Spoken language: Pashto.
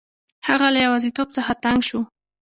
هغه له یوازیتوب څخه تنګ شو.